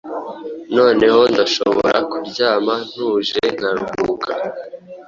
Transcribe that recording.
noneho ndashobora kuryama ntuje nkaruhuka.